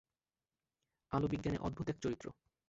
আলো বিজ্ঞানের অদ্ভুত এক চরিত্র।